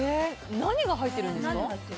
何が入ってるんですか？